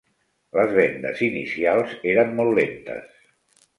Les vendes inicials eren molt lentes.